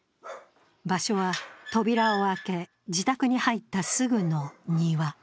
場所は扉を開け、自宅に入ったすぐの庭。